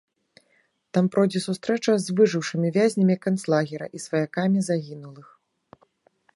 Там пройдзе сустрэча з выжыўшымі вязнямі канцлагера і сваякамі загінулых.